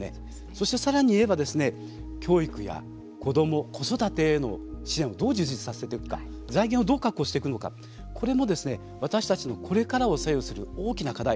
そして、さらに言えば教育や子ども、子育てへの支援をどう充実させていくか財源をどう確保するのかこれも私たちのこれからを左右する大きな課題。